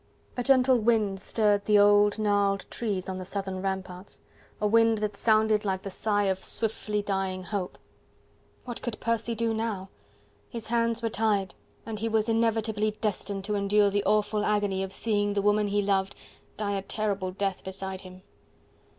A gentle wind stirred the old gnarled trees on the southern ramparts, a wind that sounded like the sigh of swiftly dying hope. What could Percy do now? His hands were tied, and he was inevitably destined to endure the awful agony of seeing the woman he loved die a terrible death beside him.